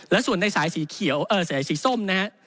และส่วนในสายสีเขียวสายสีส้มนะฮะ